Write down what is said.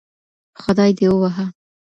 خدای دي ووهه